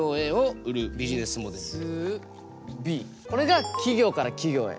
これが企業から企業へ。